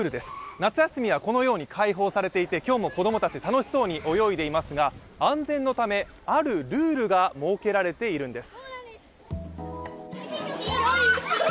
夏休みはこのように開放されていて、今日も子供たち楽しそうに泳いでいますが、安全のため、あるルールが設けられているんです。